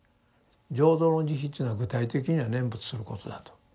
浄土の慈悲というのは具体的には念仏することだと。